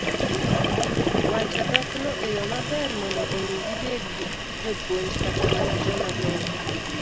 wacho dhokgo e yo maber mondo omi gibed jopuonj kata mana joma loko